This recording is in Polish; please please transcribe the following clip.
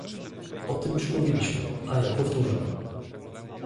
O tym już mówiliśmy, a ja powtórzę